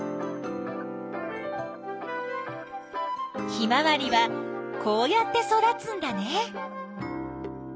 ヒマワリはこうやって育つんだね。